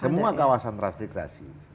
semua kawasan trans migrasi